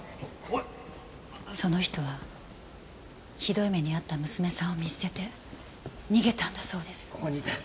その人はひどい目に遭った娘さんを見捨てて逃げたんだそうです。